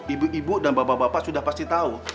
ibu ibu dan bapak bapak sudah pasti tahu